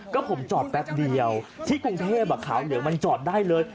ก็ผมจอดแป๊บเดียวที่กรุงเทพขาวเหลืองมันจอดได้เลย